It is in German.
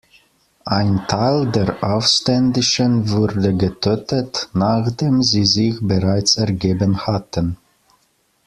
Ein Teil der Aufständischen wurde getötet, nachdem sie sich bereits ergeben hatten.